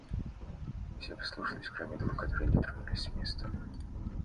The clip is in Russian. Все послушались, кроме двух, которые не тронулись с места.